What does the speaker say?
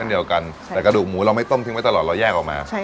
เดียวกันแต่กระดูกหมูเราไม่ต้มทิ้งไว้ตลอดเราแยกออกมา